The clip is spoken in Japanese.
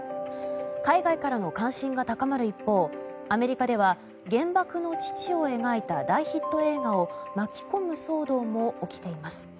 海外からの関心が高まる一方アメリカでは原爆の父を描いた大ヒット映画を巻き込む騒動も起きています。